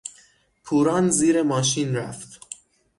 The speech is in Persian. پوران زیر ماشین رفت.